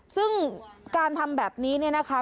ซึ่งการทำแบบนี้เนี่ยนะคะ